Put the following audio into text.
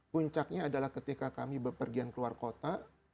puncaknya adalah ketika kami berpergian keluar kota